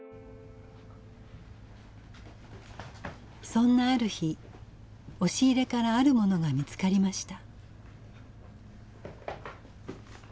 そんなある日押し入れからあるものが見つかりました。